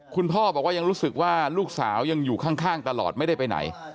คุณพ่อบอกว่ายังรู้สึกว่าลูกสาวยังอยู่ข้างตลอดไม่ได้ไปไหน